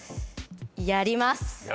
やります！